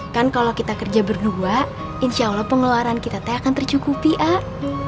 kan kalau kita kerja berdua insya allah pengeluaran kita teh akan tercukupi ak